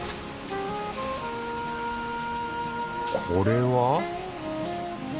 これは？